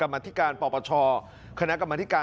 ไม่ได้มีค่ะ